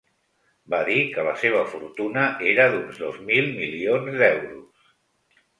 Va dir que la seva fortuna era d’uns dos mil milions d’euros.